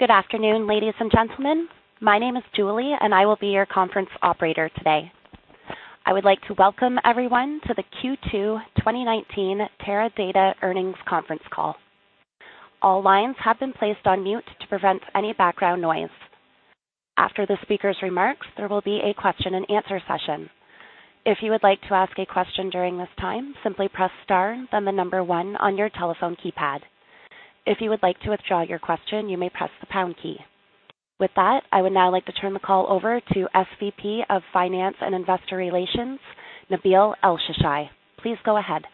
Good afternoon, ladies and gentlemen. My name is Julie, and I will be your conference operator today. I would like to welcome everyone to the Q2 2019 Teradata Earnings Conference Call. All lines have been placed on mute to prevent any background noise. After the speaker's remarks, there will be a question and answer session. If you would like to ask a question during this time, simply press star, then the number 1 on your telephone keypad. If you would like to withdraw your question, you may press the pound key. With that, I would now like to turn the call over to SVP of Finance and Investor Relations, Nabil Elsheshai. Please go ahead.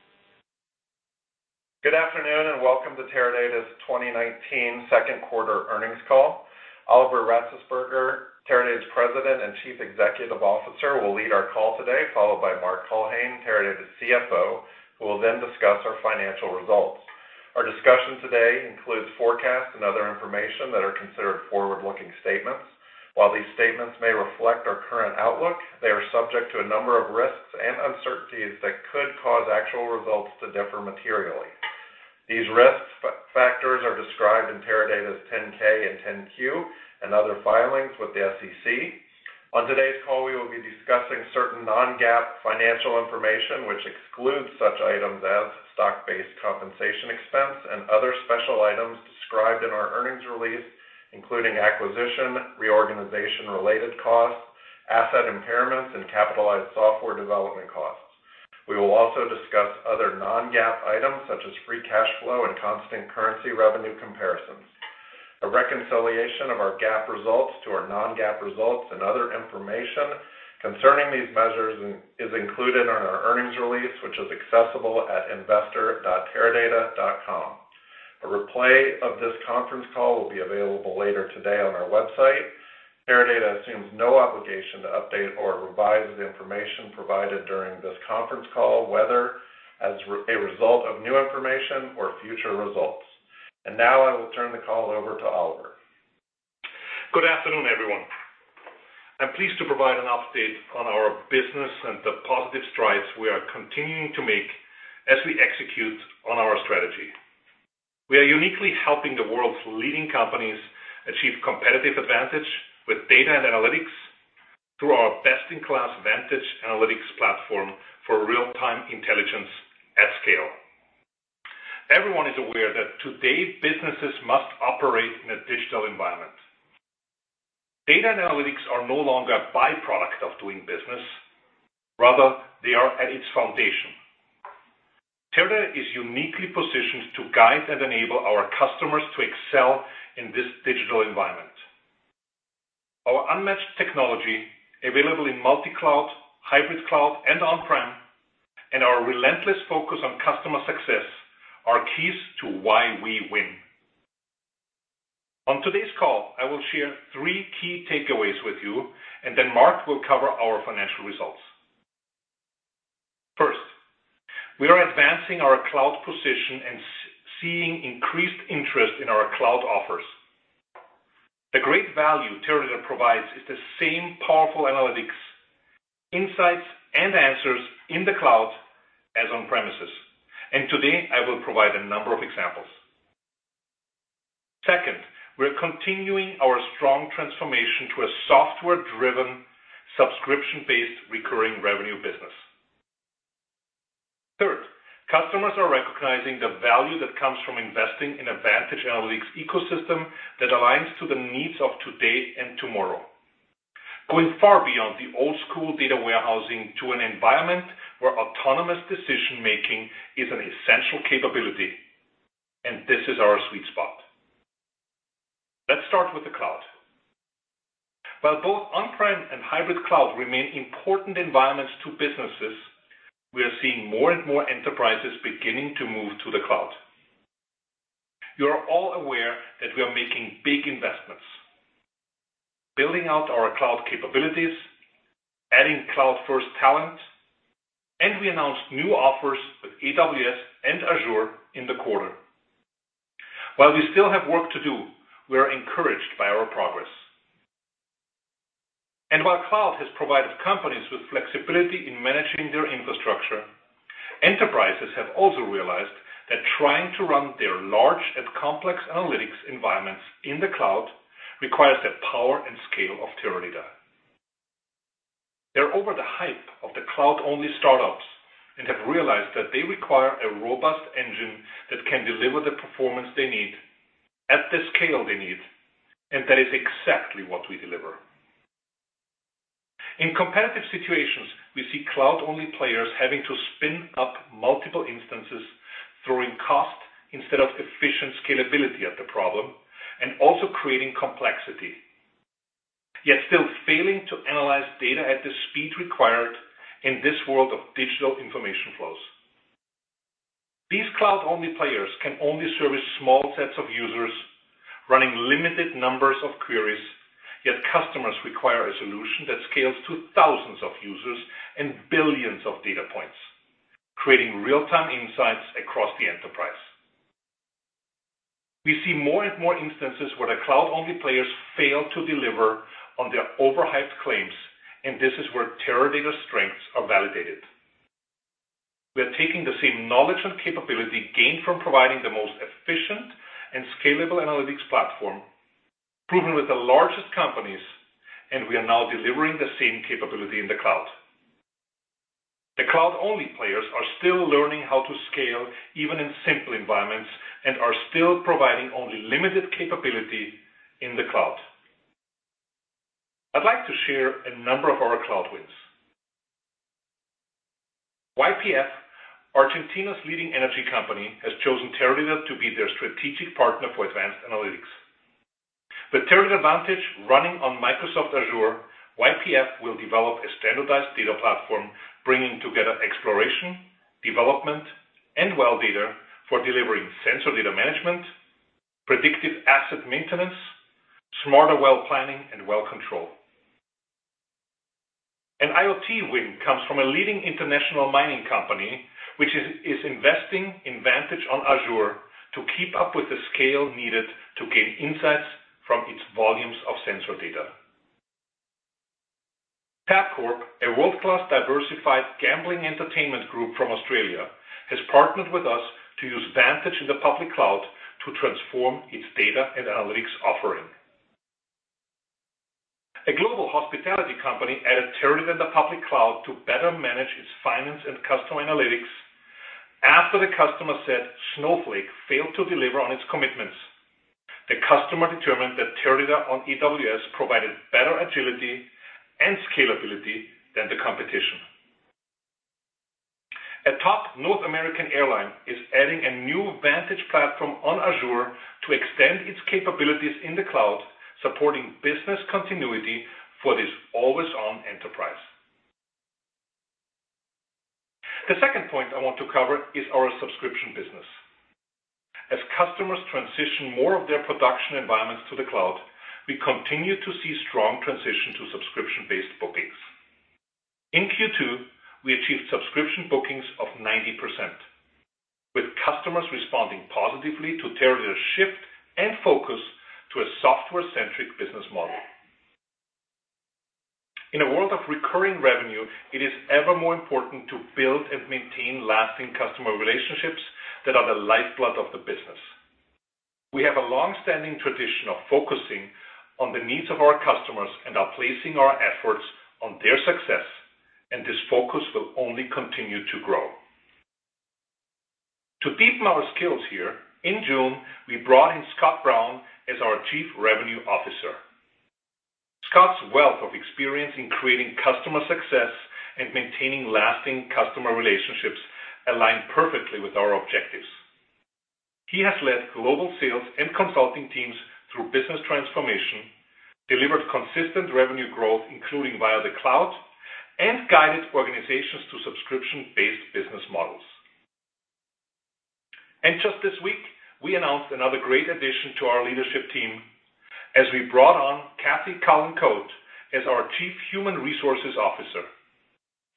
Good afternoon and welcome to Teradata's 2019 second quarter earnings call. Oliver Ratzesberger, Teradata's President and Chief Executive Officer, will lead our call today, followed by Mark Culhane, Teradata's CFO, who will then discuss our financial results. Our discussion today includes forecasts and other information that are considered forward-looking statements. While these statements may reflect our current outlook, they are subject to a number of risks and uncertainties that could cause actual results to differ materially. These risk factors are described in Teradata's 10-K and 10-Q, and other filings with the SEC. On today's call, we will be discussing certain non-GAAP financial information, which excludes such items as stock-based compensation expense and other special items described in our earnings release, including acquisition, reorganization related costs, asset impairments, and capitalized software development costs. We will also discuss other non-GAAP items such as free cash flow and constant currency revenue comparisons. A reconciliation of our GAAP results to our non-GAAP results and other information concerning these measures is included in our earnings release, which is accessible at investor.teradata.com. A replay of this conference call will be available later today on our website. Teradata assumes no obligation to update or revise the information provided during this conference call, whether as a result of new information or future results. Now I will turn the call over to Oliver. Good afternoon, everyone. I'm pleased to provide an update on our business and the positive strides we are continuing to make as we execute on our strategy. We are uniquely helping the world's leading companies achieve competitive advantage with data and analytics through our best-in-class Vantage analytics platform for real-time intelligence at scale. Everyone is aware that today businesses must operate in a digital environment. Data analytics are no longer a byproduct of doing business. Rather, they are at its foundation. Teradata is uniquely positioned to guide and enable our customers to excel in this digital environment. Our unmatched technology, available in multi-cloud, hybrid cloud, and on-prem, and our relentless focus on customer success are keys to why we win. On today's call, I will share three key takeaways with you, and then Mark will cover our financial results. First, we are advancing our cloud position and seeing increased interest in our cloud offers. The great value Teradata provides is the same powerful analytics, insights, and answers in the cloud as on premises. Today, I will provide a number of examples. Second, we're continuing our strong transformation to a software-driven, subscription-based recurring revenue business. Third, customers are recognizing the value that comes from investing in a Vantage analytics ecosystem that aligns to the needs of today and tomorrow. Going far beyond the old school data warehousing to an environment where autonomous decision-making is an essential capability. This is our sweet spot. Let's start with the cloud. While both on-prem and hybrid cloud remain important environments to businesses, we are seeing more and more enterprises beginning to move to the cloud. You are all aware that we are making big investments. Building out our cloud capabilities, adding cloud-first talent. We announced new offers with AWS and Azure in the quarter. While we still have work to do, we are encouraged by our progress. While cloud has provided companies with flexibility in managing their infrastructure, enterprises have also realized that trying to run their large and complex analytics environments in the cloud requires the power and scale of Teradata. They're over the hype of the cloud-only startups and have realized that they require a robust engine that can deliver the performance they need at the scale they need. That is exactly what we deliver. In competitive situations, we see cloud-only players having to spin up multiple instances, throwing cost instead of efficient scalability at the problem. Also creating complexity. Yet still failing to analyze data at the speed required in this world of digital information flows. These cloud-only players can only service small sets of users running limited numbers of queries, yet customers require a solution that scales to thousands of users and billions of data points, creating real-time insights across the enterprise. We see more and more instances where the cloud-only players fail to deliver on their overhyped claims, and this is where Teradata's strengths are validated. We are taking the same knowledge and capability gained from providing the most efficient and scalable analytics platform, proven with the largest companies, and we are now delivering the same capability in the cloud. The cloud-only players are still learning how to scale, even in simple environments, and are still providing only limited capability in the cloud. I'd like to share a number of our cloud wins. YPF, Argentina's leading energy company, has chosen Teradata to be their strategic partner for advanced analytics. With Teradata Vantage running on Microsoft Azure, YPF will develop a standardized data platform bringing together exploration, development, and well data for delivering sensor data management, predictive asset maintenance, smarter well planning, and well control. An IoT win comes from a leading international mining company, which is investing in Vantage on Azure to keep up with the scale needed to gain insights from its volumes of sensor data. Tabcorp, a world-class diversified gambling entertainment group from Australia, has partnered with us to use Vantage in the public cloud to transform its data and analytics offering. A global hospitality company added Teradata in the public cloud to better manage its finance and customer analytics after the customer said Snowflake failed to deliver on its commitments. The customer determined that Teradata on AWS provided better agility and scalability than the competition. A top North American airline is adding a new Vantage platform on Azure to extend its capabilities in the cloud, supporting business continuity for this always-on enterprise. The second point I want to cover is our subscription business. As customers transition more of their production environments to the cloud, we continue to see strong transition to subscription-based bookings. In Q2, we achieved subscription bookings of 90%, with customers responding positively to Teradata's shift and focus to a software-centric business model. In a world of recurring revenue, it is ever more important to build and maintain lasting customer relationships that are the lifeblood of the business. We have a longstanding tradition of focusing on the needs of our customers and are placing our efforts on their success, and this focus will only continue to grow. To deepen our skills here, in June, we brought in Scott Brown as our Chief Revenue Officer. Scott's wealth of experience in creating customer success and maintaining lasting customer relationships align perfectly with our objectives. He has led global sales and consulting teams through business transformation, delivered consistent revenue growth, including via the cloud, and guided organizations to subscription-based business models. Just this week, we announced another great addition to our leadership team as we brought on Kathy Cullen-Cote as our Chief Human Resources Officer.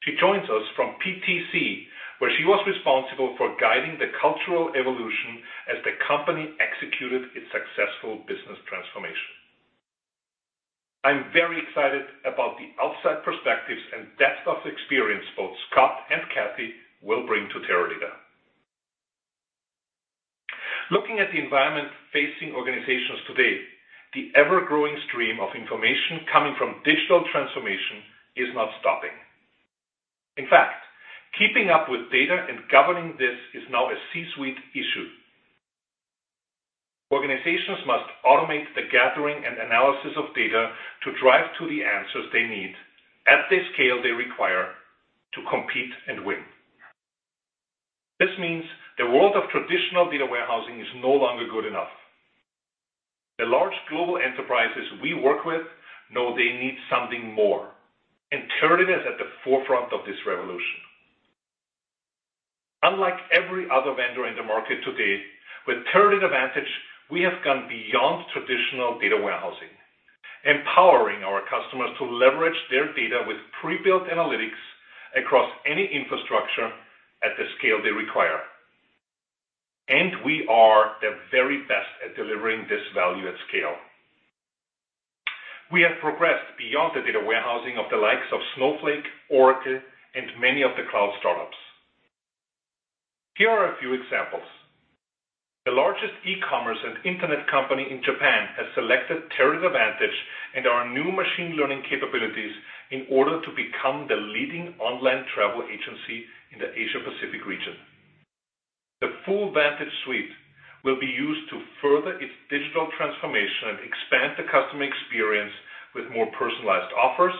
She joins us from PTC, where she was responsible for guiding the cultural evolution as the company executed its successful business transformation. I'm very excited about the outside perspectives and depth of experience both Scott and Kathy will bring to Teradata. Looking at the environment facing organizations today, the ever-growing stream of information coming from digital transformation is not stopping. In fact, keeping up with data and governing this is now a C-suite issue. Organizations must automate the gathering and analysis of data to drive to the answers they need at the scale they require to compete and win. This means the world of traditional data warehousing is no longer good enough. The large global enterprises we work with know they need something more, and Teradata is at the forefront of this revolution. Unlike every other vendor in the market today, with Teradata Vantage, we have gone beyond traditional data warehousing, empowering our customers to leverage their data with pre-built analytics across any infrastructure at the scale they require. We are the very best at delivering this value at scale. We have progressed beyond the data warehousing of the likes of Snowflake, Oracle, and many of the cloud startups. Here are a few examples. The largest e-commerce and internet company in Japan has selected Teradata Vantage and our new machine learning capabilities in order to become the leading online travel agency in the Asia Pacific region. The full Vantage suite will be used to further its digital transformation and expand the customer experience with more personalized offers,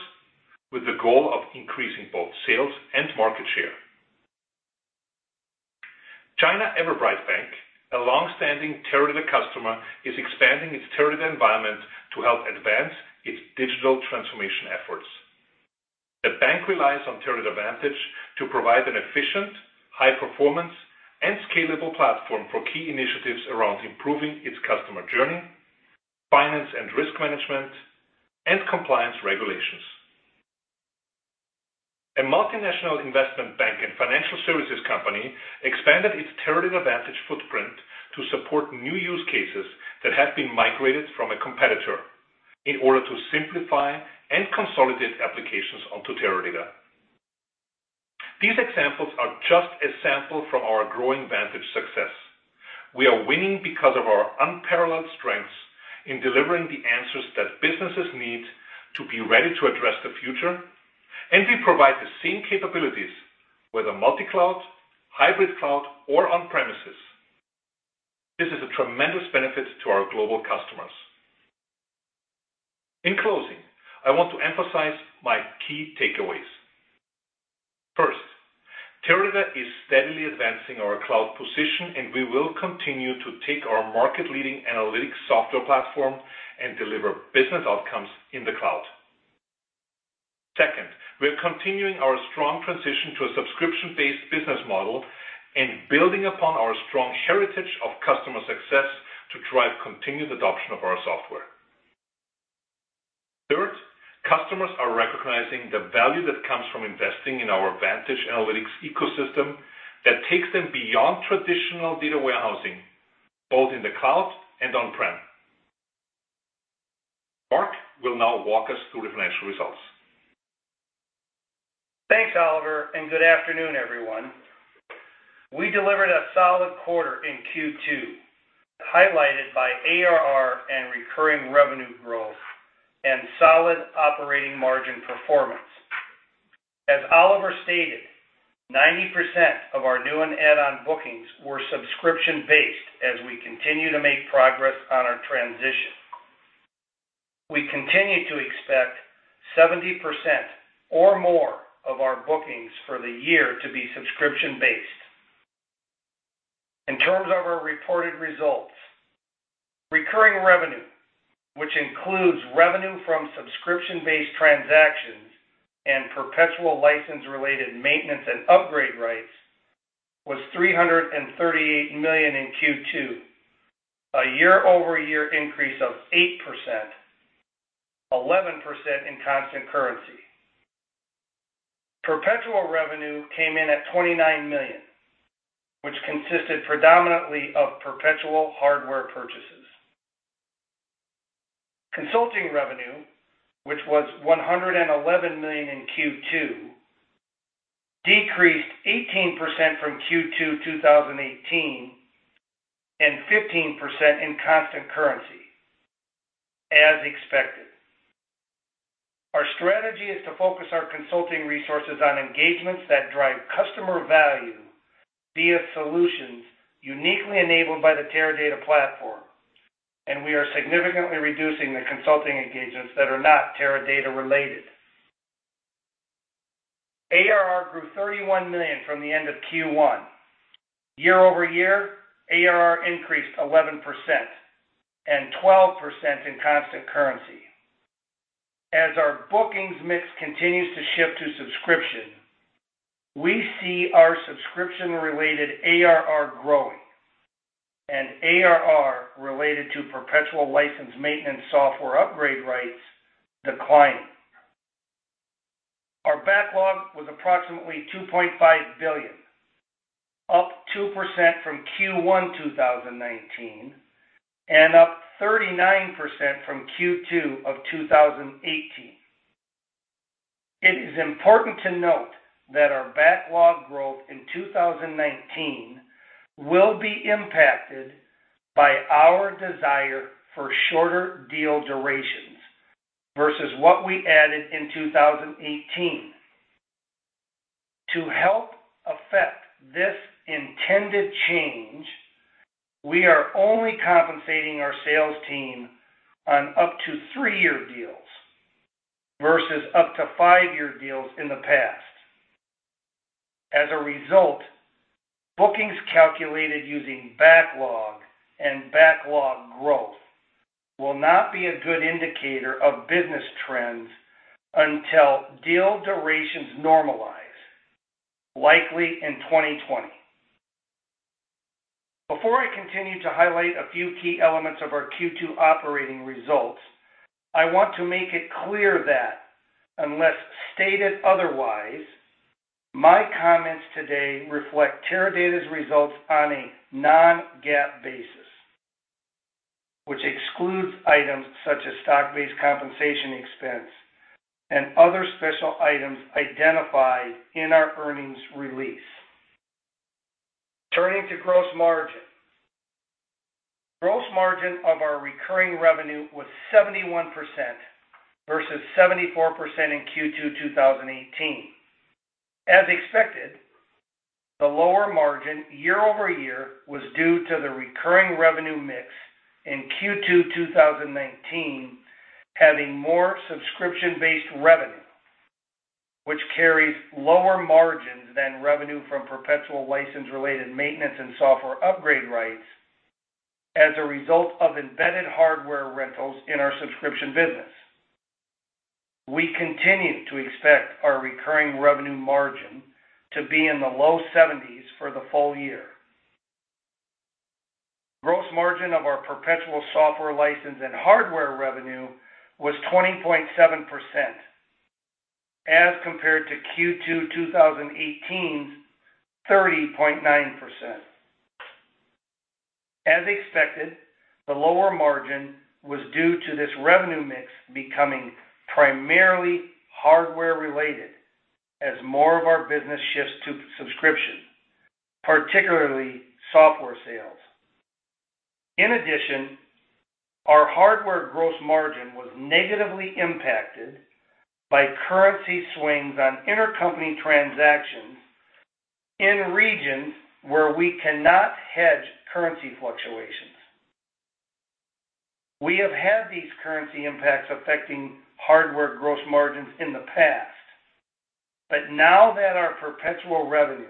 with the goal of increasing both sales and market share. China Everbright Bank, a longstanding Teradata customer, is expanding its Teradata environment to help advance its digital transformation efforts. The bank relies on Teradata Vantage to provide an efficient, high performance, and scalable platform for key initiatives around improving its customer journey, finance and risk management, and compliance regulations. A multinational investment bank and financial services company expanded its Teradata Vantage footprint to support new use cases that have been migrated from a competitor, in order to simplify and consolidate applications onto Teradata. These examples are just a sample from our growing Vantage success. We are winning because of our unparalleled strengths in delivering the answers that businesses need to be ready to address the future, and we provide the same capabilities, whether multi-cloud, hybrid cloud, or on-premises. This is a tremendous benefit to our global customers. In closing, I want to emphasize my key takeaways. First, Teradata is steadily advancing our cloud position, and we will continue to take our market-leading analytics software platform and deliver business outcomes in the cloud. Second, we're continuing our strong transition to a subscription-based business model and building upon our strong heritage of customer success to drive continued adoption of our software. Third, customers are recognizing the value that comes from investing in our Vantage analytics ecosystem that takes them beyond traditional data warehousing, both in the cloud and on-prem. Mark will now walk us through the financial results. Thanks, Oliver. Good afternoon, everyone. We delivered a solid quarter in Q2, highlighted by ARR and recurring revenue growth and solid operating margin performance. As Oliver stated, 90% of our new and add-on bookings were subscription-based as we continue to make progress on our transition. We continue to expect 70% or more of our bookings for the year to be subscription-based. In terms of our reported results, recurring revenue, which includes revenue from subscription-based transactions and perpetual license-related maintenance and upgrade rights, was $338 million in Q2, a year-over-year increase of 8%, 11% in constant currency. Perpetual revenue came in at $29 million, which consisted predominantly of perpetual hardware purchases. Consulting revenue, which was $111 million in Q2, decreased 18% from Q2 2018 and 15% in constant currency, as expected. Our strategy is to focus our consulting resources on engagements that drive customer value via solutions uniquely enabled by the Teradata platform. We are significantly reducing the consulting engagements that are not Teradata related. ARR grew $31 million from the end of Q1. Year-over-year, ARR increased 11% and 12% in constant currency. As our bookings mix continues to shift to subscription, we see our subscription-related ARR growing and ARR related to perpetual license maintenance software upgrade rights declining. Our backlog was approximately $2.5 billion, up 2% from Q1 2019 and up 39% from Q2 of 2018. It is important to note that our backlog growth in 2019 will be impacted by our desire for shorter deal durations versus what we added in 2018. To help affect this intended change, we are only compensating our sales team on up to three-year deals versus up to five-year deals in the past. As a result, bookings calculated using backlog and backlog growth will not be a good indicator of business trends until deal durations normalize, likely in 2020. Before I continue to highlight a few key elements of our Q2 operating results, I want to make it clear that unless stated otherwise, my comments today reflect Teradata's results on a non-GAAP basis, which excludes items such as stock-based compensation expense and other special items identified in our earnings release. Turning to gross margin. Gross margin of our recurring revenue was 71% versus 74% in Q2 2018. As expected, the lower margin year-over-year was due to the recurring revenue mix in Q2 2019 having more subscription-based revenue, which carries lower margins than revenue from perpetual license-related maintenance and software upgrade rights as a result of embedded hardware rentals in our subscription business. We continue to expect our recurring revenue margin to be in the low 70s for the full year. Gross margin of our perpetual software license and hardware revenue was 20.7% as compared to Q2 2018's 30.9%. As expected, the lower margin was due to this revenue mix becoming primarily hardware related as more of our business shifts to subscription, particularly software sales. In addition, our hardware gross margin was negatively impacted by currency swings on intercompany transactions in regions where we cannot hedge currency fluctuations. We have had these currency impacts affecting hardware gross margins in the past, but now that our perpetual revenue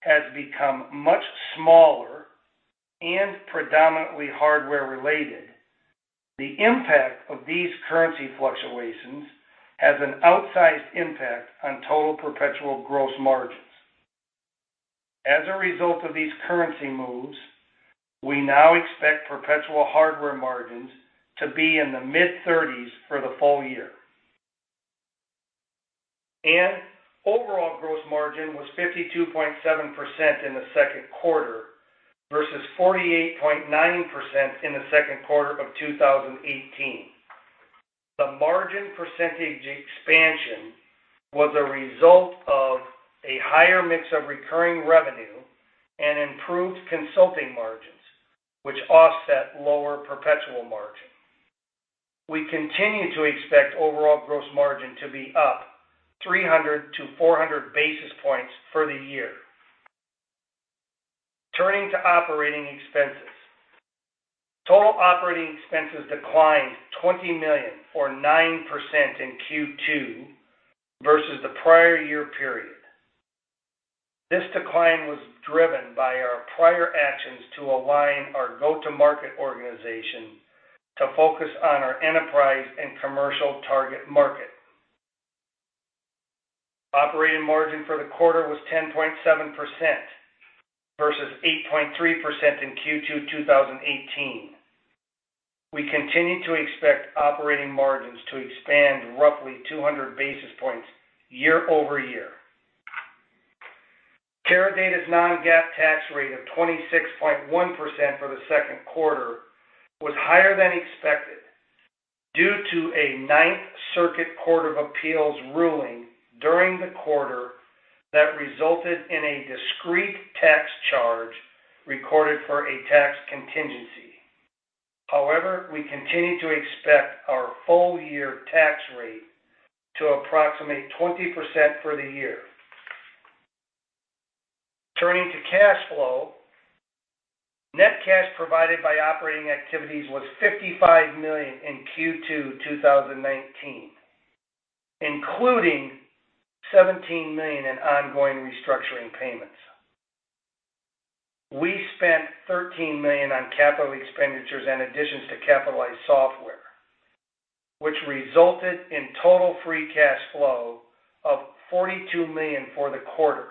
has become much smaller and predominantly hardware related, the impact of these currency fluctuations has an outsized impact on total perpetual gross margins. As a result of these currency moves, we now expect perpetual hardware margins to be in the mid-30s for the full year. Overall gross margin was 52.7% in the second quarter versus 48.9% in the second quarter of 2018. The margin percentage expansion was a result of a higher mix of recurring revenue and improved consulting margins, which offset lower perpetual margin. We continue to expect overall gross margin to be up 300 to 400 basis points for the year. Turning to operating expenses. Total operating expenses declined $20 million or 9% in Q2 versus the prior year period. This decline was driven by our prior actions to align our go-to-market organization to focus on our enterprise and commercial target market. Operating margin for the quarter was 10.7% versus 8.3% in Q2 2018. We continue to expect operating margins to expand roughly 200 basis points year-over-year. Teradata's non-GAAP tax rate of 26.1% for the second quarter was higher than expected due to a Ninth Circuit Court of Appeals ruling during the quarter that resulted in a discrete tax charge recorded for a tax contingency. We continue to expect our full year tax rate to approximate 20% for the year. Turning to cash flow, net cash provided by operating activities was $55 million in Q2 2019, including $17 million in ongoing restructuring payments. We spent $13 million on capital expenditures and additions to capitalized software, which resulted in total free cash flow of $42 million for the quarter.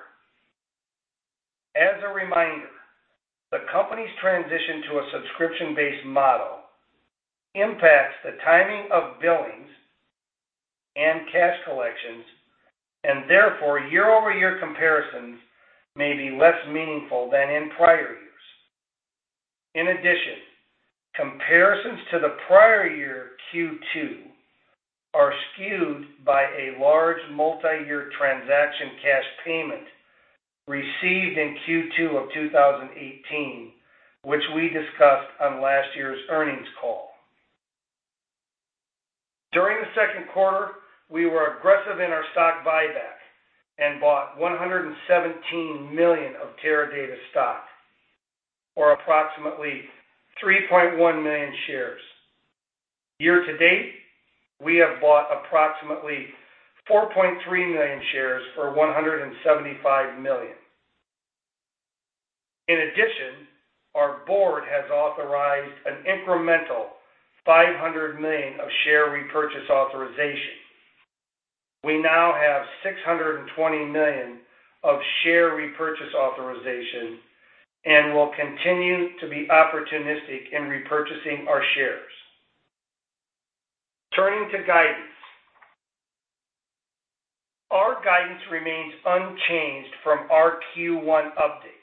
As a reminder, the company's transition to a subscription-based model impacts the timing of billings and cash collections, and therefore, year-over-year comparisons may be less meaningful than in prior years. In addition, comparisons to the prior year Q2 are skewed by a large multi-year transaction cash payment received in Q2 of 2018, which we discussed on last year's earnings call. During the second quarter, we were aggressive in our stock buyback, and bought $117 million of Teradata stock, or approximately 3.1 million shares. Year to date, we have bought approximately 4.3 million shares for $175 million. In addition, our board has authorized an incremental $500 million of share repurchase authorization. We now have $620 million of share repurchase authorization, and will continue to be opportunistic in repurchasing our shares. Turning to guidance. Our guidance remains unchanged from our Q1 update.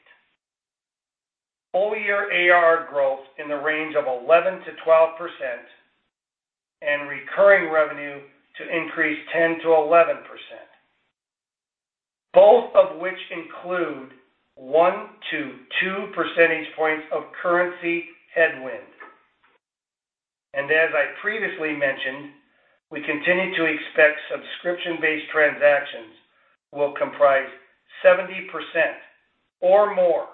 Full year ARR growth in the range of 11%-12%, and recurring revenue to increase 10%-11%, both of which include one to two percentage points of currency headwinds. As I previously mentioned, we continue to expect subscription-based transactions will comprise 70% or more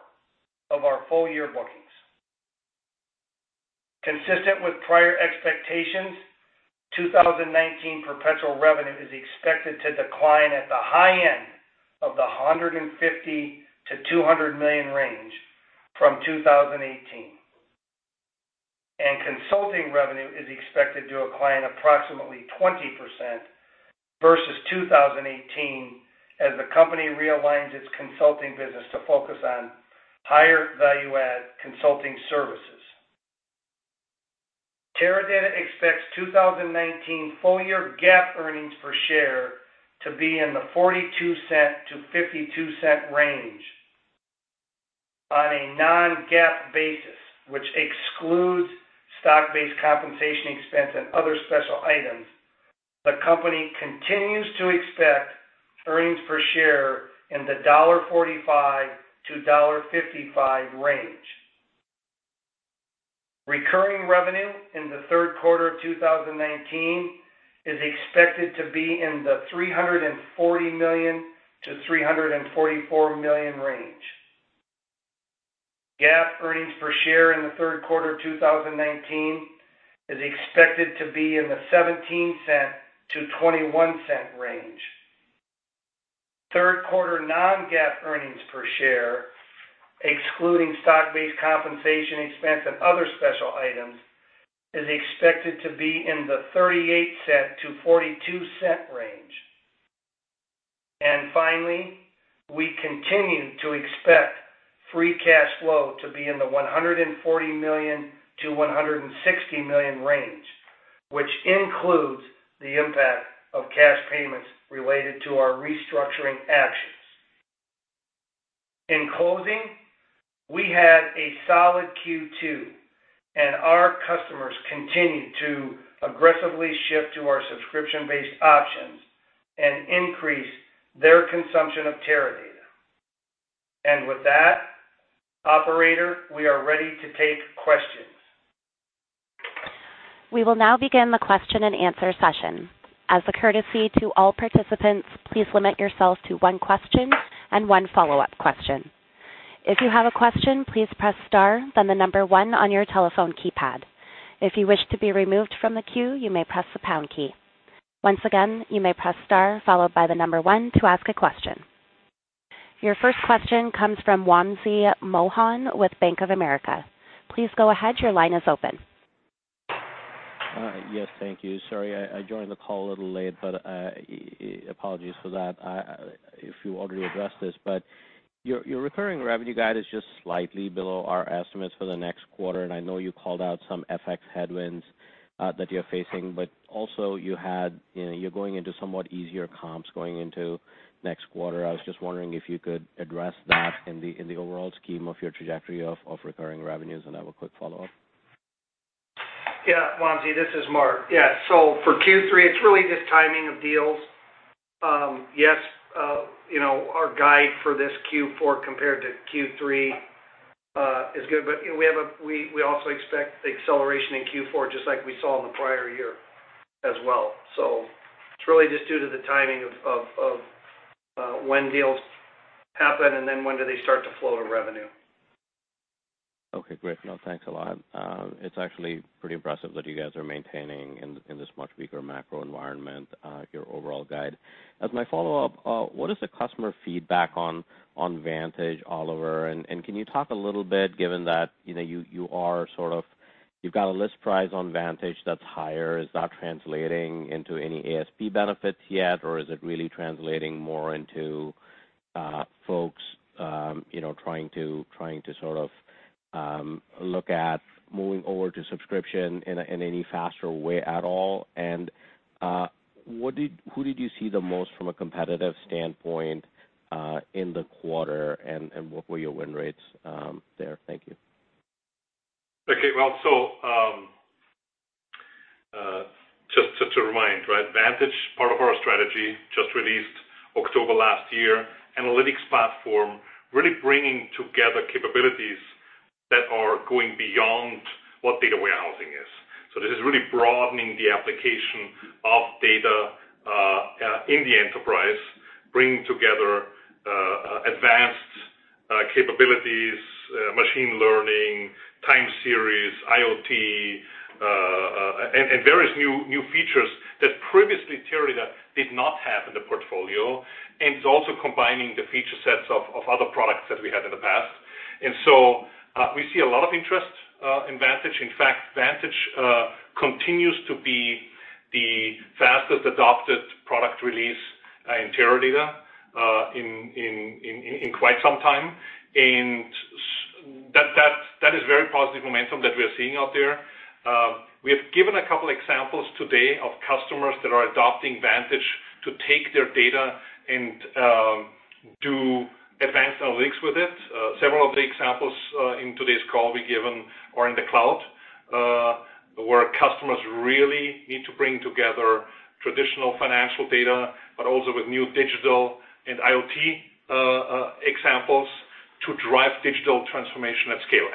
of our full year bookings. Consistent with prior expectations, 2019 perpetual revenue is expected to decline at the high end of the $150 million-$200 million range from 2018. Consulting revenue is expected to decline approximately 20% versus 2018 as the company realigns its consulting business to focus on higher value add consulting services. Teradata expects 2019 full-year GAAP earnings per share to be in the $0.42-$0.52 range. On a non-GAAP basis, which excludes stock-based compensation expense and other special items, the company continues to expect earnings per share in the $1.45-$1.55 range. Recurring revenue in the third quarter of 2019 is expected to be in the $340 million-$344 million range. GAAP earnings per share in the third quarter of 2019 is expected to be in the $0.17-$0.21 range. Third quarter non-GAAP earnings per share, excluding stock-based compensation expense and other special items, is expected to be in the $0.38 to $0.42 range. Finally, we continue to expect free cash flow to be in the $140 million to $160 million range, which includes the impact of cash payments related to our restructuring actions. In closing, we had a solid Q2, and our customers continue to aggressively shift to our subscription-based options and increase their consumption of Teradata. With that, operator, we are ready to take questions. We will now begin the question and answer session. As a courtesy to all participants, please limit yourself to one question and one follow-up question. If you have a question, please press star, then the number one on your telephone keypad. If you wish to be removed from the queue, you may press the pound key. Once again, you may press star followed by the number one to ask a question. Your first question comes from Wamsi Mohan with Bank of America. Please go ahead, your line is open. Yes. Thank you. Sorry, I joined the call a little late. Apologies for that if you already addressed this. Your recurring revenue guide is just slightly below our estimates for the next quarter. I know you called out some FX headwinds that you're facing. Also you're going into somewhat easier comps going into next quarter. I was just wondering if you could address that in the overall scheme of your trajectory of recurring revenues. I have a quick follow-up. Wamsi, this is Mark. For Q3, it's really just timing of deals. Our guide for this Q4 compared to Q3 is good, but we also expect acceleration in Q4, just like we saw in the prior year as well. It's really just due to the timing of when deals happen, and then when do they start to flow to revenue. Okay, great. No, thanks a lot. It's actually pretty impressive that you guys are maintaining in this much weaker macro environment, your overall guide. As my follow-up, what is the customer feedback on Vantage, Oliver, and can you talk a little bit, given that you've got a list price on Vantage that's higher, is that translating into any ASP benefits yet, or is it really translating more into folks trying to look at moving over to subscription in any faster way at all? Who did you see the most from a competitive standpoint, in the quarter, and what were your win rates there? Thank you. Just to remind, Vantage, part of our strategy, just released October last year, analytics platform, really bringing together capabilities that are going beyond what data warehousing is. This is really broadening the application of data in the enterprise, bringing together advanced capabilities, machine learning, time series, IoT, and various new features that previously Teradata did not have in the portfolio, and it's also combining the feature sets of other products that we had in the past. We see a lot of interest in Vantage. In fact, Vantage continues to be the fastest adopted product release in Teradata in quite some time, and that is very positive momentum that we are seeing out there. We have given a couple examples today of customers that are adopting Vantage to take their data and do advanced analytics with it. Several of the examples in today's call we've given are in the cloud, where customers really need to bring together traditional financial data, but also with new digital and IoT examples to drive digital transformation at scale.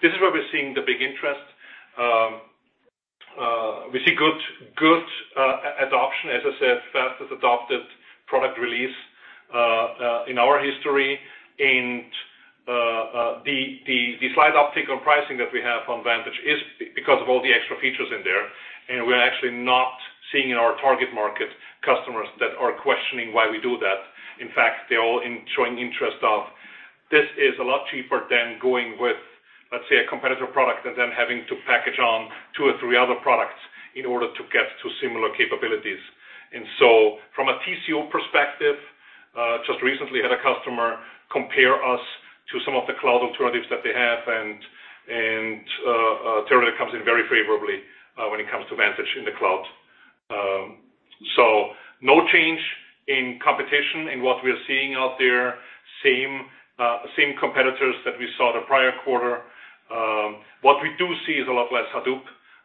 This is where we're seeing the big interest. We see good adoption, as I said, fastest adopted product release in our history. The slight uptick in pricing that we have on Vantage is because of all the extra features in there, and we're actually not seeing in our target market customers that are questioning why we do that. They're all showing interest of this is a lot cheaper than going with, let's say, a competitor product and then having to package on two or three other products in order to get to similar capabilities. From a TCO perspective, just recently had a customer compare us to some of the cloud alternatives that they have, and Teradata comes in very favorably when it comes to Vantage in the cloud. No change in competition in what we're seeing out there. Same competitors that we saw the prior quarter. What we do see is a lot less Hadoop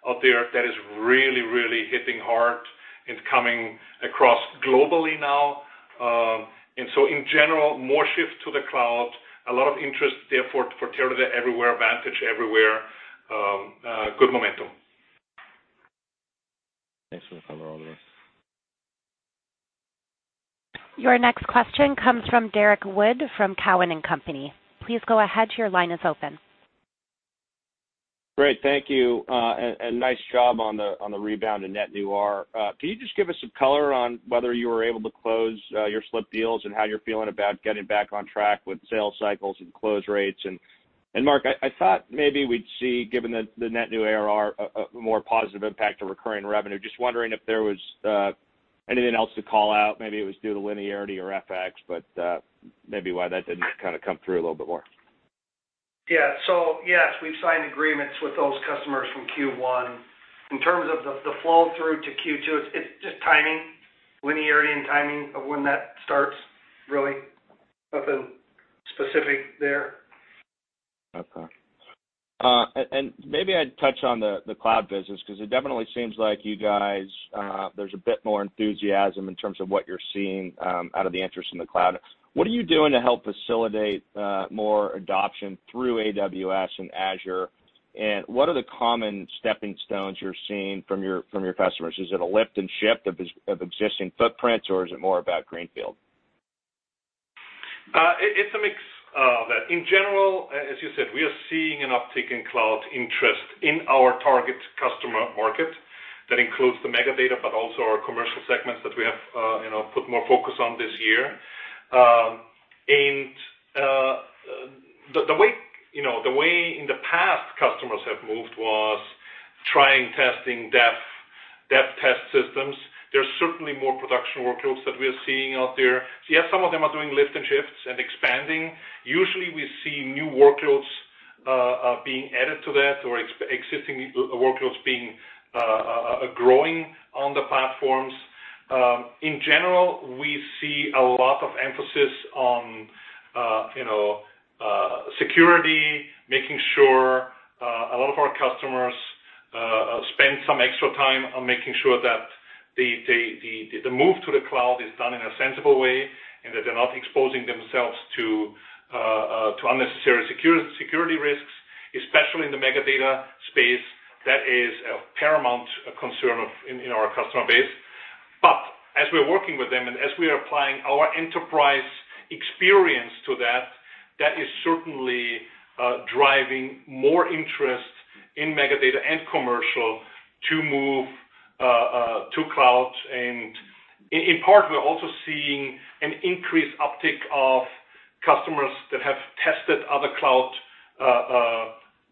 out there. That is really hitting hard and coming across globally now. In general, more shift to the cloud, a lot of interest, therefore, for Teradata Everywhere, Vantage Everywhere, good momentum. Thanks for the color, Oliver. Your next question comes from Derrick Wood, from Cowen and Company. Please go ahead. Your line is open. Great. Thank you. Nice job on the rebound in net new ARR. Can you just give us some color on whether you were able to close your slipped deals and how you're feeling about getting back on track with sales cycles and close rates? Mark, I thought maybe we'd see, given the net new ARR, a more positive impact to recurring revenue. Just wondering if there was anything else to call out, maybe it was due to linearity or FX, but maybe why that didn't come through a little bit more. Yeah. Yes, we've signed agreements with those customers from Q1. In terms of the flow through to Q2, it's just timing, linearity, and timing of when that starts really. Nothing specific there. Okay. Maybe I'd touch on the cloud business, because it definitely seems like you guys, there's a bit more enthusiasm in terms of what you're seeing out of the interest in the cloud. What are you doing to help facilitate more adoption through AWS and Azure? What are the common stepping stones you're seeing from your customers? Is it a lift and shift of existing footprints or is it more about greenfield? It's a mix of that. In general, as you said, we are seeing an uptick in cloud interest in our target customer market. That includes the mega data, but also our commercial segments that we have put more focus on this year. The way in the past customers have moved was trying, testing dev test systems. There's certainly more production workloads that we are seeing out there. Yes, some of them are doing lift and shifts and expanding. Usually, we see new workloads being added to that or existing workloads growing on the platforms. In general, we see a lot of emphasis on security, making sure a lot of our customers spend some extra time on making sure that the move to the cloud is done in a sensible way, and that they're not exposing themselves to unnecessary security risks, especially in the mega data space. That is a paramount concern in our customer base. As we're working with them and as we are applying our enterprise experience to that is certainly driving more interest in mega data and commercial to move to cloud. In part, we're also seeing an increased uptick of customers that have tested other cloud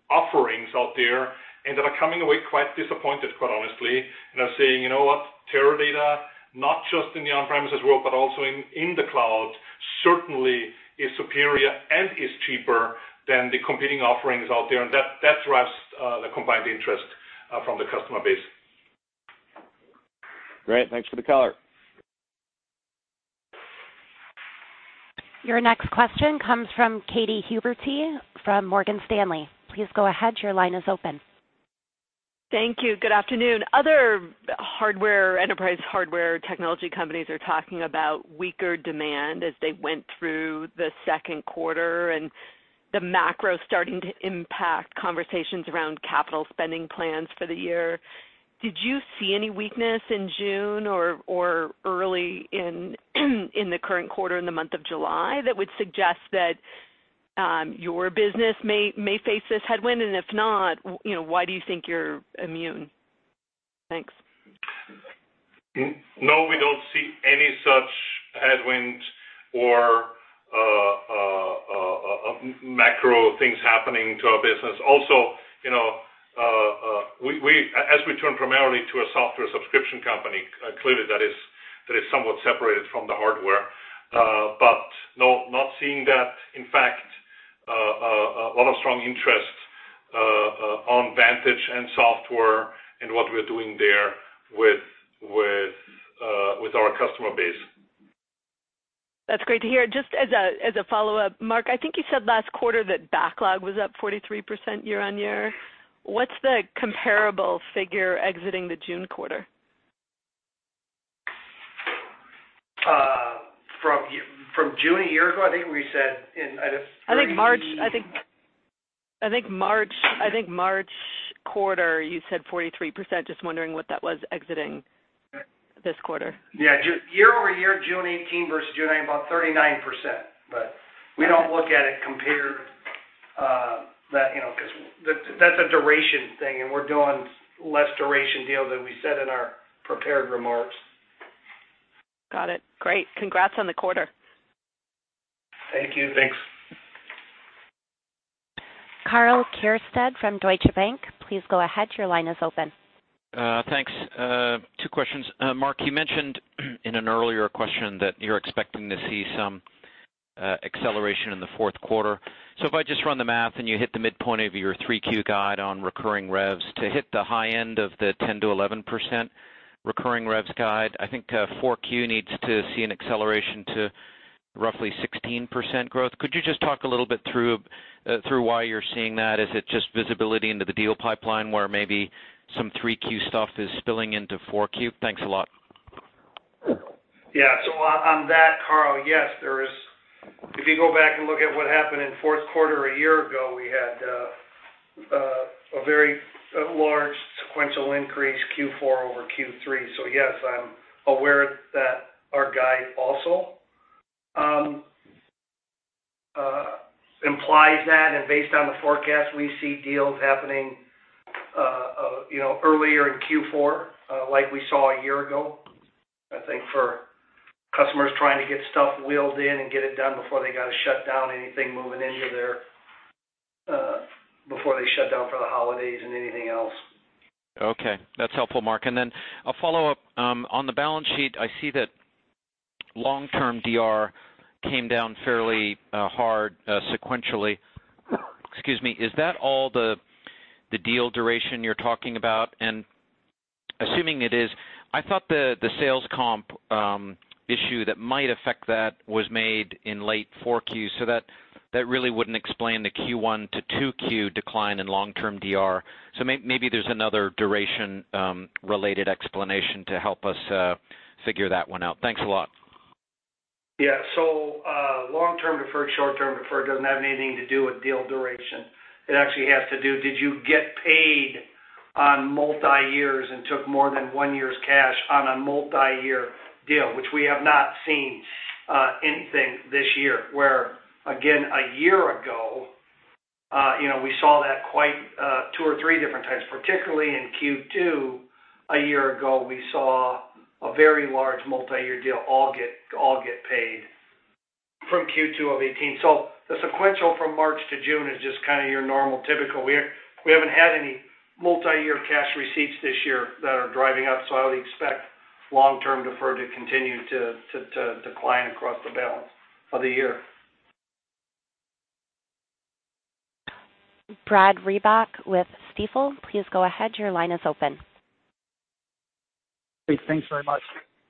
offerings out there and that are coming away quite disappointed, quite honestly, and are saying, "You know what? Teradata, not just in the on-premises world, but also in the cloud, certainly is superior and is cheaper than the competing offerings out there." That drives the combined interest from the customer base. Great. Thanks for the color. Your next question comes from Katy Huberty from Morgan Stanley. Please go ahead. Your line is open. Thank you. Good afternoon. Other enterprise hardware technology companies are talking about weaker demand as they went through the second quarter and the macro starting to impact conversations around capital spending plans for the year. Did you see any weakness in June or early in the current quarter in the month of July that would suggest that your business may face this headwind? If not, why do you think you're immune? Thanks. No, we don't see any such headwinds or macro things happening to our business. As we turn primarily to a software subscription company, clearly that is somewhat separated from the hardware. No, not seeing that. In fact, a lot of strong interest on Vantage and software and what we're doing there with our customer base. That's great to hear. Just as a follow-up, Mark, I think you said last quarter that backlog was up 43% year-on-year. What's the comparable figure exiting the June quarter? From June a year ago, I think we said in, I guess. I think March quarter you said 43%, just wondering what that was exiting this quarter? Yeah. Year-over-year, June 2018 versus June 2019, about 39%, but we don't look at it compared, because that's a duration thing, and we're doing less duration deals than we said in our prepared remarks. Got it. Great. Congrats on the quarter. Thank you. Thanks. Karl Keirstead from Deutsche Bank, please go ahead. Your line is open. Thanks. Two questions. Mark, you mentioned in an earlier question that you're expecting to see some acceleration in the fourth quarter. If I just run the math and you hit the midpoint of your 3Q guide on recurring revs to hit the high end of the 10%-11% recurring revs guide, I think 4Q needs to see an acceleration to roughly 16% growth. Could you just talk a little bit through why you're seeing that? Is it just visibility into the deal pipeline where maybe some 3Q stuff is spilling into 4Q? Thanks a lot. Yeah. On that, Karl, yes. If you go back and look at what happened in fourth quarter a year ago, we had a very large sequential increase Q4 over Q3. Yes, I'm aware that our guide also implies that, and based on the forecast, we see deals happening earlier in Q4, like we saw a year ago. I think for customers trying to get stuff wheeled in and get it done before they got to shut down anything moving into there, before they shut down for the holidays and anything else. Okay. That's helpful, Mark. A follow-up. On the balance sheet, I see that long-term DR came down fairly hard sequentially. Excuse me. Is that all the deal duration you're talking about? Assuming it is, I thought the sales comp issue that might affect that was made in late 4Q, so that really wouldn't explain the Q1 to 2Q decline in long-term DR. Maybe there's another duration-related explanation to help us figure that one out. Thanks a lot. Yeah. Long-term deferred, short-term deferred doesn't have anything to do with deal duration. It actually has to do, did you get paid on multi-years and took more than one year's cash on a multi-year deal? Which we have not seen anything this year. Where, again, a year ago, we saw that quite two or three different times, particularly in Q2 a year ago, we saw a very large multi-year deal all get paid from Q2 of 2018. The sequential from March to June is just your normal typical. We haven't had any multi-year cash receipts this year that are driving up. I would expect long-term deferred to continue to decline across the balance of the year. Brad Reback with Stifel, please go ahead. Your line is open. Great. Thanks very much.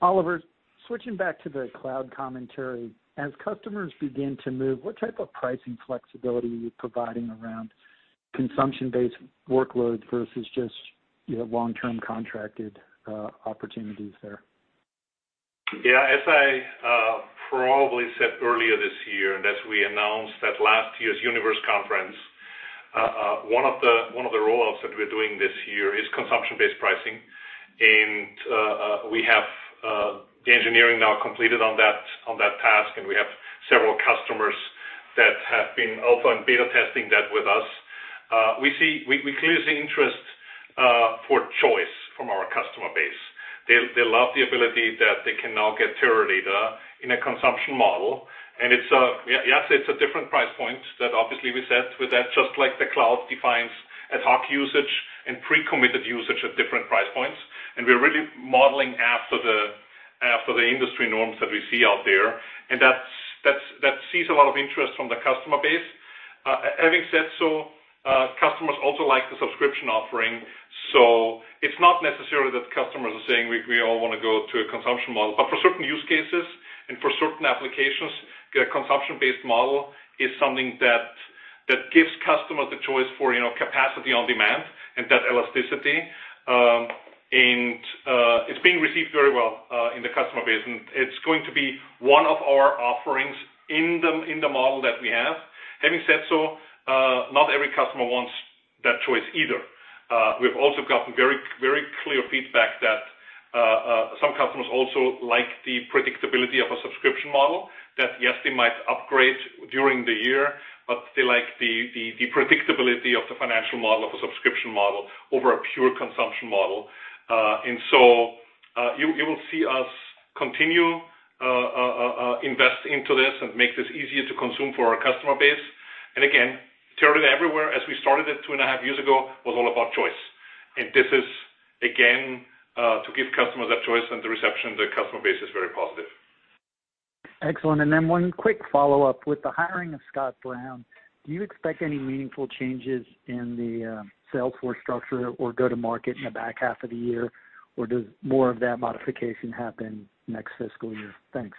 Oliver, switching back to the cloud commentary. As customers begin to move, what type of pricing flexibility are you providing around consumption-based workloads versus just your long-term contracted opportunities there? Yeah. As I probably said earlier this year, and as we announced at last year's Teradata Universe, one of the roll-outs that we're doing this year is consumption-based pricing. We have the engineering now completed on that task, and we have several customers that have been also on beta testing that with us. We're clearly seeing interest for choice from our customer base. They love the ability that they can now get Teradata in a consumption model. Yes, it's a different price point that obviously we set with that, just like the cloud defines ad hoc usage and pre-committed usage at different price points. We're really modeling after the industry norms that we see out there. That sees a lot of interest from the customer base. Having said so, customers also like the subscription offering. It's not necessarily that customers are saying, "We all want to go to a consumption model." For certain use cases and for certain applications, the consumption-based model is something that gives customers the choice for capacity on demand and that elasticity. It's being received very well in the customer base, and it's going to be one of our offerings in the model that we have. Having said so, not every customer wants that choice either. We've also gotten very clear feedback that some customers also like the predictability of a subscription model. That yes, they might upgrade during the year, but they like the predictability of the financial model of a subscription model over a pure consumption model. You will see us continue invest into this and make this easier to consume for our customer base. Again, Teradata Everywhere, as we started it two and a half years ago, was all about choice. This is, again, to give customers that choice, and the reception, the customer base is very positive. Excellent. Then one quick follow-up. With the hiring of Scott Brown, do you expect any meaningful changes in the sales force structure or go to market in the back half of the year? Does more of that modification happen next fiscal year? Thanks.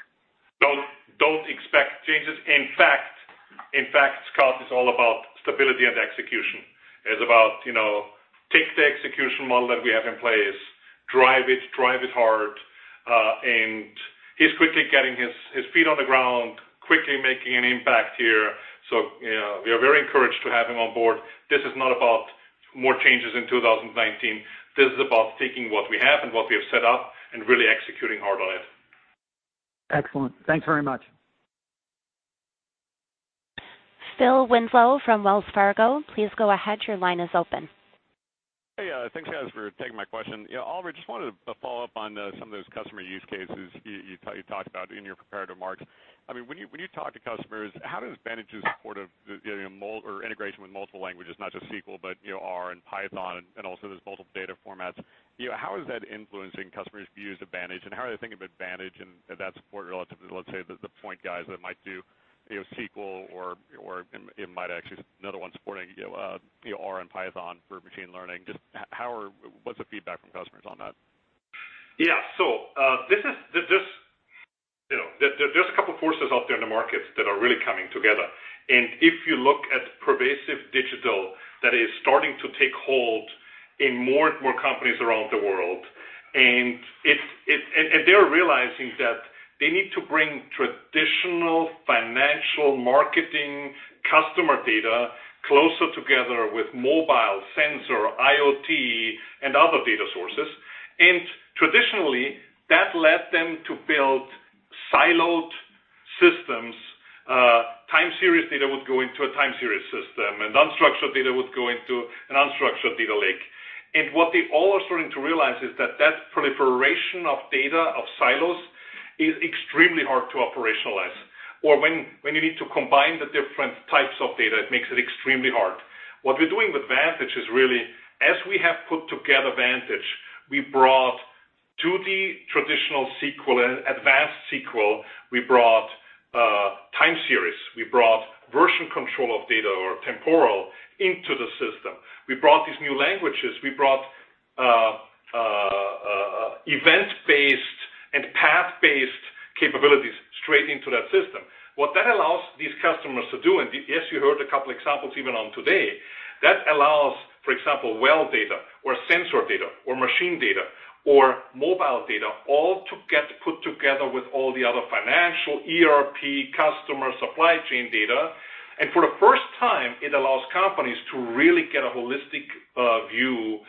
Don't expect changes. In fact, Scott is all about stability and execution. It's about take the execution model that we have in place, drive it hard. He's quickly getting his feet on the ground, quickly making an impact here. We are very encouraged to have him on board. This is not about more changes in 2019. This is about taking what we have and what we have set up and really executing hard on it. Excellent. Thanks very much. Philip Winslow from Wells Fargo, please go ahead. Your line is open. Hey, thanks, guys, for taking my question. Oliver, I just wanted to follow up on some of those customer use cases you talked about in your prepared remarks. When you talk to customers, how does Vantage's support of integration with multiple languages, not just SQL, but R and Python, and also there's multiple data formats, how is that influencing customers' views of Vantage? How are they thinking of Vantage and that support relative to, let's say, the point guys that might do SQL or it might actually be another one supporting R and Python for machine learning. Just what's the feedback from customers on that? Yeah. There's a couple forces out there in the markets that are really coming together. If you look at pervasive digital, that is starting to take hold in more and more companies around the world. They're realizing that they need to bring traditional financial marketing customer data closer together with mobile sensor, IoT, and other data sources. Traditionally, that led them to build siloed systems. Time series data would go into a time series system, unstructured data would go into an unstructured data lake. What they all are starting to realize is that proliferation of data, of silos, is extremely hard to operationalize. When you need to combine the different types of data, it makes it extremely hard. What we're doing with Vantage is really, as we have put together Vantage, we brought to the traditional SQL and advanced SQL, we brought time series. We brought version control of data or temporal into the system. We brought these new languages. We brought event-based and path-based capabilities straight into that system. What that allows these customers to do, yes, you heard a couple examples even on today. That allows, for example, well data or sensor data or machine data or mobile data all to get put together with all the other financial ERP customer supply chain data. For the first time, it allows companies to really get a holistic view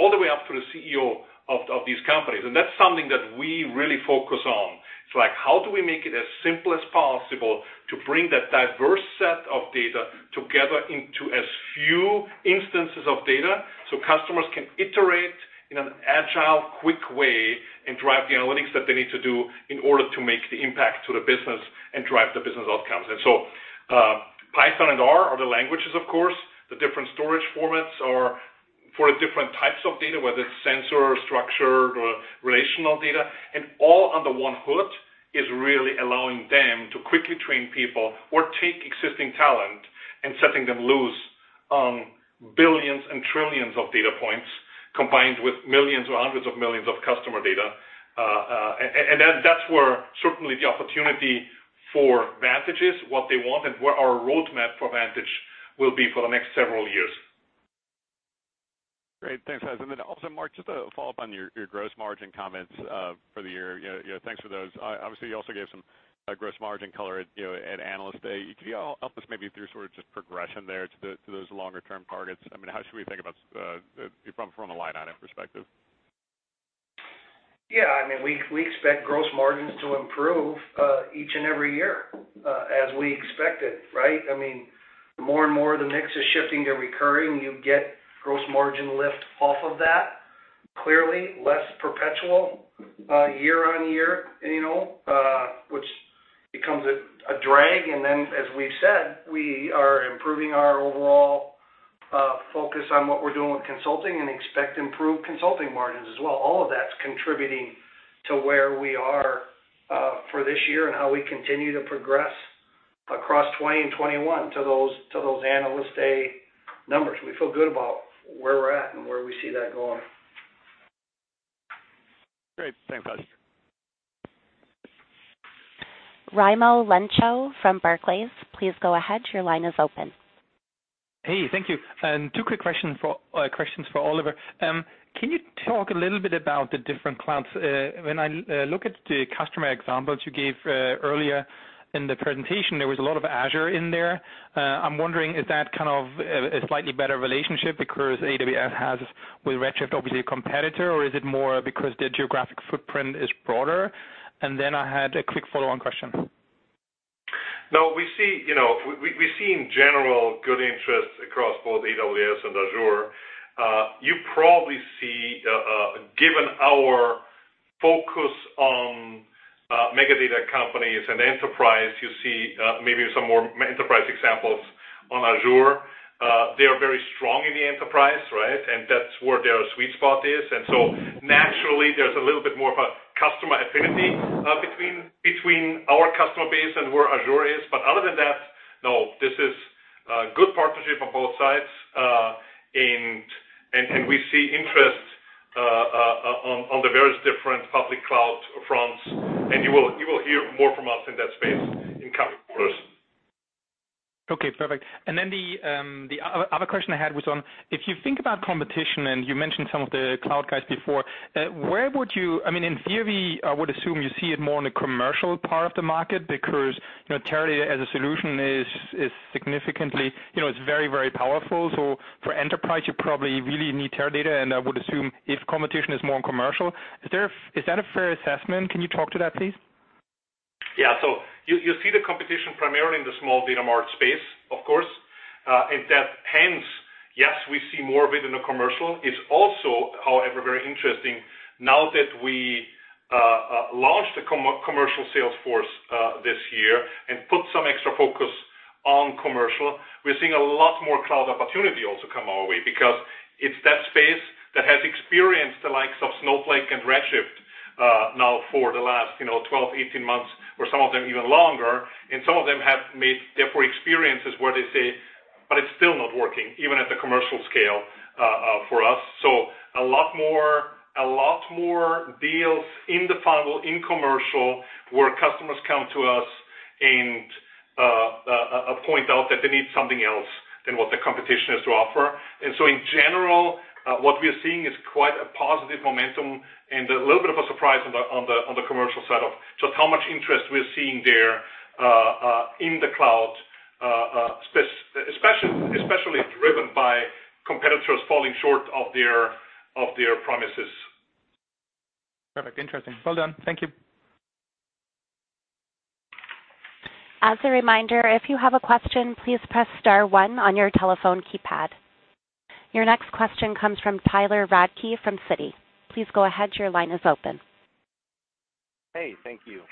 all the way up to the CEO of these companies. That's something that we really focus on. It's like, how do we make it as simple as possible to bring that diverse set of data together into as few instances of data so customers can iterate in an agile, quick way and drive the analytics that they need to do in order to make the impact to the business and drive the business outcomes. Python and R are the languages, of course. The different storage formats are for different types of data, whether it's sensor or structured or relational data, and all under one hood is really allowing them to quickly train people or take existing talent and setting them loose on billions and trillions of data points, combined with millions or hundreds of millions of customer data. That's where certainly the opportunity for Vantage is, what they want and where our roadmap for Vantage will be for the next several years. Great. Thanks, guys. Mark, just to follow up on your gross margin comments for the year. Thanks for those. Obviously, you also gave some gross margin color at Analyst Day. Could you help us maybe through sort of just progression there to those longer-term targets? How should we think about from the Lineage perspective? Yeah. We expect gross margins to improve each and every year, as we expected. Right? More and more of the mix is shifting to recurring. You get gross margin lift off of that. Clearly, less perpetual year-on-year, which becomes a drag. As we've said, we are improving our overall focus on what we're doing with consulting and expect improved consulting margins as well. All of that's contributing to where we are for this year and how we continue to progress across 2020 and 2021 to those Analyst Day numbers. We feel good about where we're at and where we see that going. Great. Thanks, guys. Raimo Lenschow from Barclays, please go ahead. Your line is open. Hey, thank you. Two quick questions for Oliver. Can you talk a little bit about the different clouds? When I look at the customer examples you gave earlier in the presentation, there was a lot of Azure in there. I'm wondering, is that kind of a slightly better relationship because AWS has, with Redshift, obviously a competitor? Or is it more because their geographic footprint is broader? I had a quick follow-on question. No, we see in general good interest across both AWS and Azure. You probably see, given our focus on mega data companies and enterprise, you see maybe some more enterprise examples on Azure. They are very strong in the enterprise, right? That's where their sweet spot is. Naturally, there's a little bit more of a customer affinity between our customer base and where Azure is. Other than that, no. This is a good partnership on both sides. We see interest on the various different public cloud fronts. You will hear more from us in that space in coming quarters. Okay, perfect. The other question I had was on, if you think about competition, and you mentioned some of the cloud guys before. In theory, I would assume you see it more in the commercial part of the market because Teradata as a solution is significantly, it's very powerful. For enterprise, you probably really need Teradata, and I would assume if competition is more in commercial. Is that a fair assessment? Can you talk to that, please? Yeah. You see the competition primarily in the small data mart space, of course. That hence, yes, we see more of it in the commercial. It's also, however, very interesting now that we launched the commercial sales force this year and put some extra focus on commercial. We're seeing a lot more cloud opportunity also come our way, because it's that space that has experienced the likes of Snowflake and Redshift now for the last 12, 18 months or some of them even longer, and some of them have made, therefore, experiences where they say, "But it's still not working, even at the commercial scale for us." A lot more deals in the funnel, in commercial, where customers come to us and point out that they need something else than what the competition has to offer. In general, what we are seeing is quite a positive momentum and a little bit of a surprise on the commercial side of just how much interest we're seeing there in the cloud, especially driven by competitors falling short of their promises. Perfect. Interesting. Well done. Thank you. As a reminder, if you have a question, please press star one on your telephone keypad. Your next question comes from Tyler Radke from Citi. Please go ahead. Your line is open. Hey, thank you.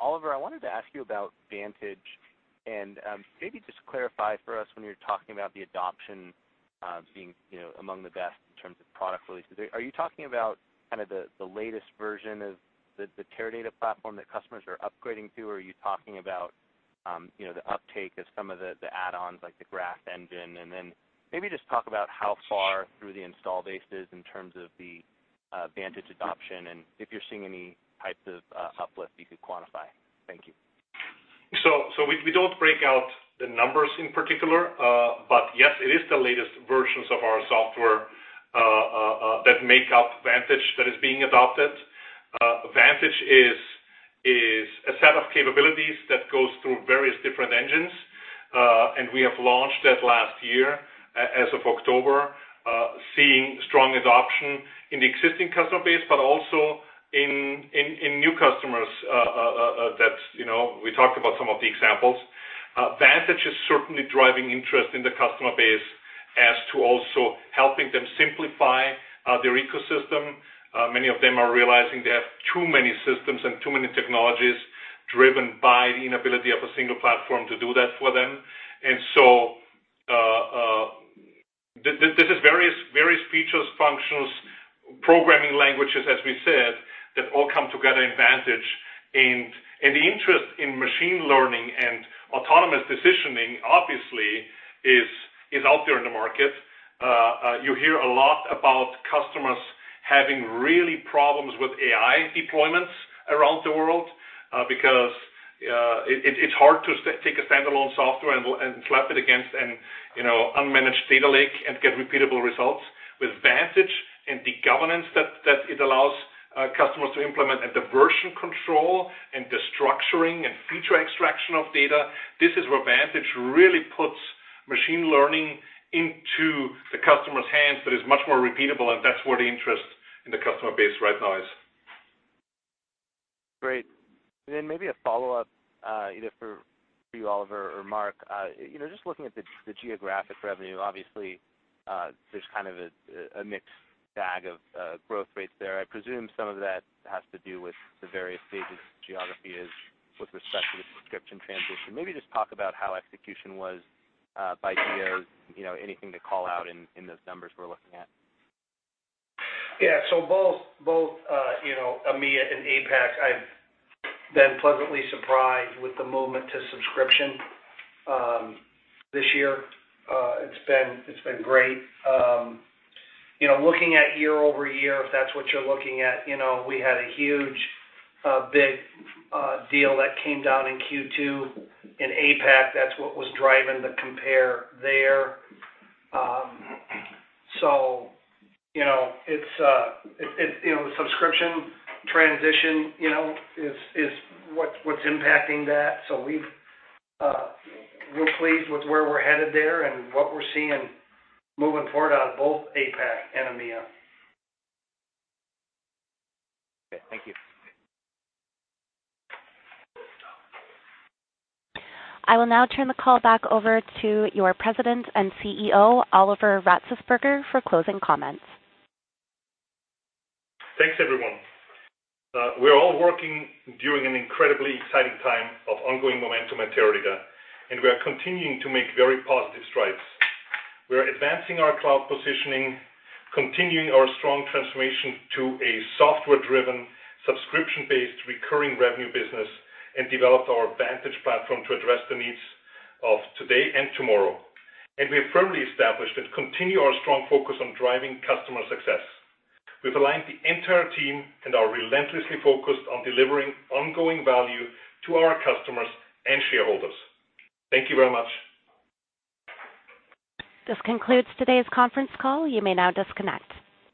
Oliver, I wanted to ask you about Vantage and maybe just clarify for us when you're talking about the adoption being among the best in terms of product releases. Are you talking about the latest version of the Teradata platform that customers are upgrading to, or are you talking about the uptake of some of the add-ons, like the graph engine? Then maybe just talk about how far through the install base is in terms of the Vantage adoption and if you're seeing any types of uplift you could quantify? Thank you. We don't break out the numbers in particular. Yes, it is the latest versions of our software that make up Vantage that is being adopted. Vantage is a set of capabilities that goes through various different engines. We have launched that last year, as of October, seeing strong adoption in the existing customer base, but also in new customers that we talked about some of the examples. Vantage is certainly driving interest in the customer base as to also helping them simplify their ecosystem. Many of them are realizing they have too many systems and too many technologies driven by the inability of a single platform to do that for them. This is various features, functions, programming languages, as we said, that all come together in Vantage. The interest in machine learning and autonomous decisioning, obviously, is out there in the market. You hear a lot about customers having really problems with AI deployments around the world, because it's hard to take a standalone software and slap it against an unmanaged data lake and get repeatable results. With Vantage and the governance that it allows customers to implement, and the version control, and the structuring and feature extraction of data, this is where Vantage really puts machine learning into the customer's hands that is much more repeatable, and that's where the interest in the customer base right now is. Great. Then maybe a follow-up, either for you, Oliver, or Mark. Just looking at the geographic revenue, obviously, there's a mixed bag of growth rates there. I presume some of that has to do with the various stages geography is with respect to the subscription transition. Maybe just talk about how execution was by geo. Anything to call out in those numbers we're looking at. Yeah. Both EMEA and APAC, I've been pleasantly surprised with the movement to subscription this year. It's been great. Looking at year-over-year, if that's what you're looking at, we had a huge, big deal that came down in Q2 in APAC. That's what was driving the compare there. The subscription transition is what's impacting that. We're pleased with where we're headed there and what we're seeing moving forward out of both APAC and EMEA. Okay, thank you. I will now turn the call back over to your President and CEO, Oliver Ratzesberger, for closing comments. Thanks, everyone. We're all working during an incredibly exciting time of ongoing momentum at Teradata, and we are continuing to make very positive strides. We are advancing our cloud positioning, continuing our strong transformation to a software-driven, subscription-based recurring revenue business, and developed our Vantage platform to address the needs of today and tomorrow. We have firmly established and continue our strong focus on driving customer success. We've aligned the entire team and are relentlessly focused on delivering ongoing value to our customers and shareholders. Thank you very much. This concludes today's conference call. You may now disconnect.